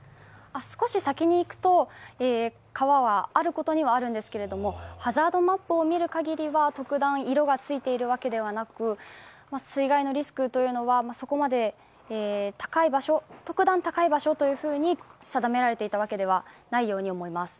少し先に行くと、川はあることにはあるんですけれども、ハザードマップを見るかぎりは特段、色がついているわけではなく水害のリスクというのは特段高い場所と定められていたわけではないように思います。